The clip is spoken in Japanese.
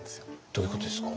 どういうことですか？